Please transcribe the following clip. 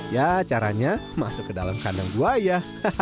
ya caranya masuk ke dalam kandang buaya